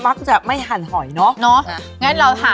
มักจะไม่หันหอยเนาะ